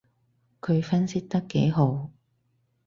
佢分析得幾號